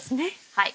はい。